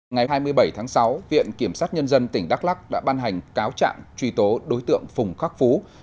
ngày hai mươi bảy tháng sáu viện kiểm sát nhân dân tỉnh đắk lắc đã ban hành cáo trạng truy tố đối tượng phùng khắc phú